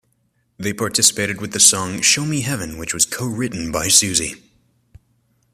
They participated with the song "Show Me Heaven", which was co-written by Susie.